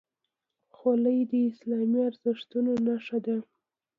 خولۍ د اسلامي ارزښتونو نښه ده.